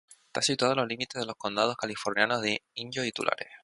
Está situado en los límites de los condados californianos de Inyo y Tulare.